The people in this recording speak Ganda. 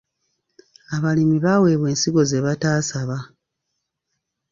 Abalimi baaweebwa ensigo ze bataasaba.